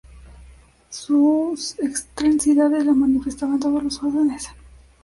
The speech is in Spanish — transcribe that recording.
Sus excentricidades las manifestaba en todos los órdenes.